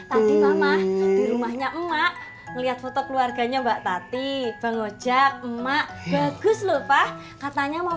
rumahnya emak lihat foto keluarganya mbak tati bang ojak emak bagus lupa katanya mau